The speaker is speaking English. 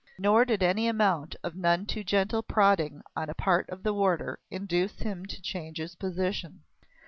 Nor did any amount of none too gentle prodding on the part of the warder induce him to change his position.